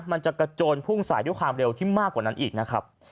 มันจะกระโจนพุ่งสายด้วยความเร็วที่มากกว่านั้นอีกนะครับ